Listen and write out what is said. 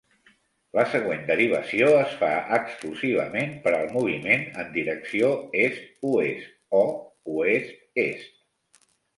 La següent derivació es fa exclusivament per al moviment en direcció est-oest o oest-est.